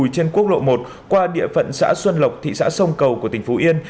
trên quốc lộ một qua địa phận xã xuân lộc thị xã sông cầu của tỉnh phú yên